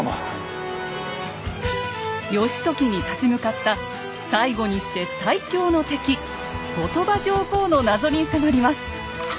義時に立ち向かった最後にして最強の敵後鳥羽上皇の謎に迫ります。